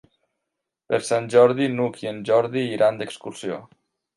Per Sant Jordi n'Hug i en Jordi iran d'excursió.